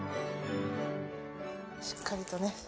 しっかりとね